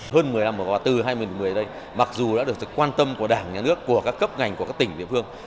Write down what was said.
hơn một mươi năm vừa qua từ hai nghìn một mươi đến đây mặc dù đã được sự quan tâm của đảng nhà nước của các cấp ngành của các tỉnh địa phương